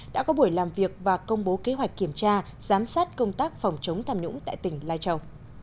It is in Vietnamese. đã có buổi làm việc và công bố kế hoạch kiểm tra giám sát công tác phòng chống tham nhũng tại tỉnh lai châu